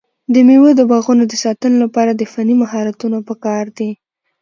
د مېوو د باغونو د ساتنې لپاره د فني مهارتونو پکار دی.